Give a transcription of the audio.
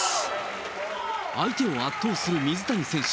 相手を圧倒する水谷選手。